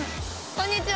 こんにちは。